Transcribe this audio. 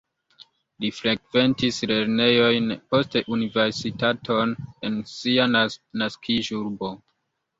Li frekventis lernejojn, poste universitaton en sia naskiĝurbo.